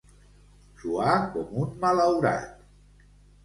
Suar com un malaurat.